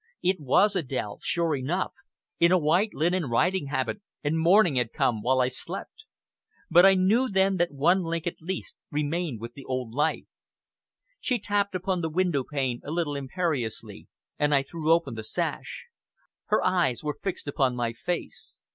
It was Adèle sure enough, in a white linen riding habit, and morning had come while I slept. But I knew then that one link at least remained with the old life. She tapped upon the window pane a little imperiously, and I threw open the sash. Her eyes were fixed upon my face.